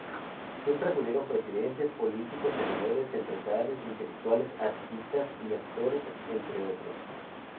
Siempre acudieron presidentes, políticos, senadores, empresarios, intelectuales, artistas y actores, entre otros.